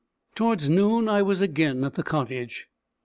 Towards noon I was again at the cottage.